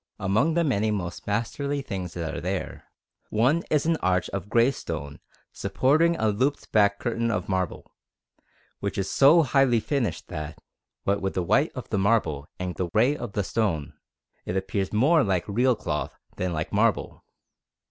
Among the many most masterly things that are there, one is an arch of grey stone supporting a looped back curtain of marble, which is so highly finished that, what with the white of the marble and the grey of the stone, it appears more like real cloth than like marble.